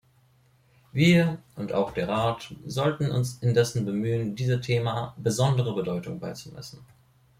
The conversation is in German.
Wir und auch der Rat sollten uns indessen bemühen, diesem Thema besondere Bedeutung beizumessen.